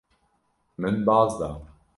Min baz da.